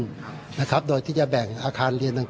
โดยที่จะแบ่งอาคารเรียนต่างเป็นจุดพักผิงของชาวบ้านในตะบนชุมโค